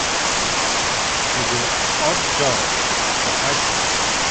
She worked odd jobs after high school.